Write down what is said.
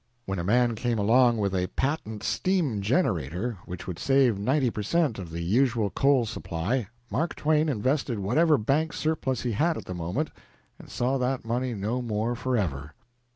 When a man came along with a patent steam generator which would save ninety per cent. of the usual coal supply, Mark Twain invested whatever bank surplus he had at the moment, and saw that money no more forever.